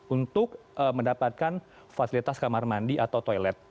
untuk mendapatkan fasilitas kamar mandi atau toilet